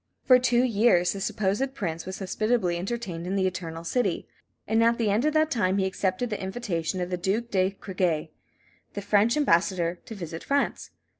For two years the supposed prince was hospitably entertained in the Eternal City, and at the end of that time he accepted the invitation of the Duke de Cregui, the French ambassador, to visit France.